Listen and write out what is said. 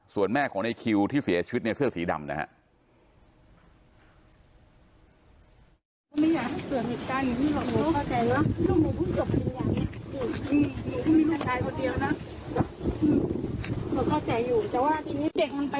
ส่วนแม่ของไอ้คิวที่เสียชุดในเสื้อสีดำนะครับ